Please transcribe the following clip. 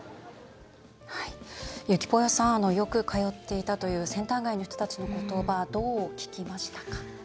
ゆきぽよさんよく通っていたというセンター街の人たちの言葉どう聞きましたか？